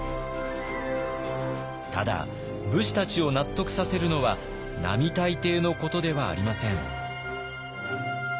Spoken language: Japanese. ただ武士たちを納得させるのは並大抵のことではありません。